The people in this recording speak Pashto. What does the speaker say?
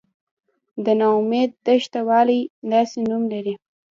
د نا امید دښته ولې داسې نوم لري؟